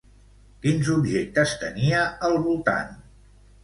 Quins objectes tenia al voltant?